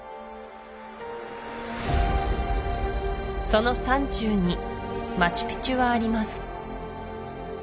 その山中にマチュピチュはあります